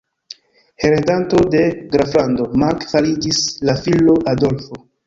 Heredanto de Graflando Mark fariĝis la filo Adolfo.